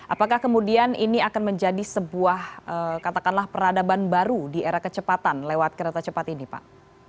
apakah kemudian ini akan menjadi sebuah katakanlah peradaban baru di era kecepatan lewat kereta cepat ini pak